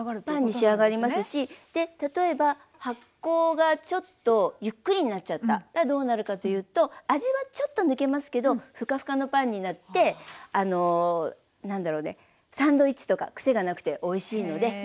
パンに仕上がりますしで例えば発酵がちょっとゆっくりになっちゃったらどうなるかというと味はちょっと抜けますけどふかふかのパンになってあの何だろねサンドイッチとかクセがなくておいしいので。